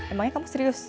emangnya kamu serius